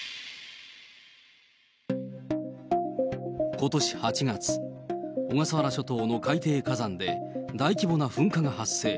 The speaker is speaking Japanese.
ことし８月、小笠原諸島の海底火山で大規模な噴火が発生。